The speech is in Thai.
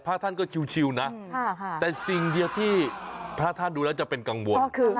พระท่านก็ชิวนะแต่สิ่งเดียวที่พระท่านดูแล้วจะเป็นกังวล